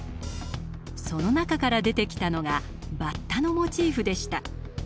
その中から出てきたのがバッタのモチーフでした。